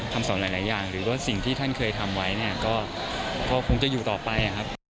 คำสอนหลายอย่างหรือว่าสิ่งที่ท่านเคยทำไว้เนี่ยก็คงจะอยู่ต่อไปครับ